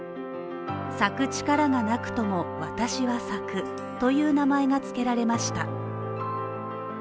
「咲く力が無くとも、私は咲く」という名前がつけられました。